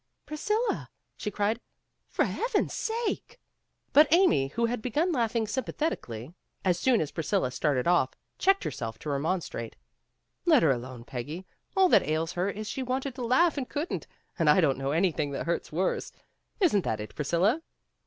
"Priscilla," she cried, "for Heaven's sake But Amy who had begun laughing sympathet 168 PEGGY RAYMOND'S WAY ically, as soon as Priscilla started off, checked herself to remonstrate. "Let her alone, Peggy. All that ails her is she wanted to laugh and couldn't, and I don't know anything that hurts worse. Isn't that it, Priscilla?"